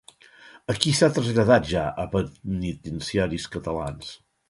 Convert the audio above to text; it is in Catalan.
A qui s'ha traslladat ja a penitenciaris catalans?